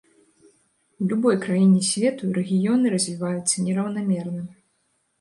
У любой краіне свету рэгіёны развіваюцца нераўнамерна.